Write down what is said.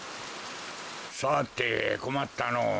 さてこまったのぉ。